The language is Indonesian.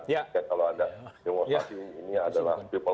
jangan kaget kalau ada demonstrasi ini adalah people power